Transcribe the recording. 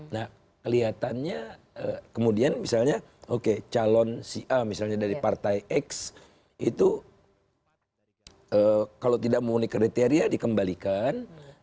nah kelihatannya kemudian misalnya oke calon si a misalnya dari partai x itu kalau tidak memenuhi kriteria dikembalikan